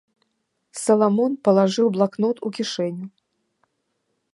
Саламон палажыў блакнот у кішэню.